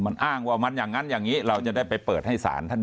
มันอ้างว่ามันอย่างนั้นอย่างนี้เราจะได้ไปเปิดให้สารท่าน